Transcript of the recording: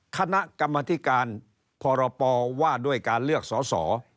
คณะกรรมธิการพรปว่าด้วยการเลือกสอสอ